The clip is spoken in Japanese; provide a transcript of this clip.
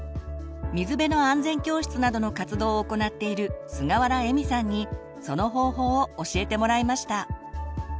水辺の安全教室などの活動を行っているすがわらえみさんにその方法を教えてもらいました。